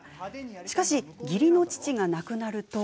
しかし、義理の父が亡くなると。